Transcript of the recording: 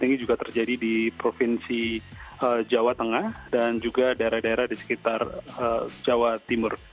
ini juga terjadi di provinsi jawa tengah dan juga daerah daerah di sekitar jawa timur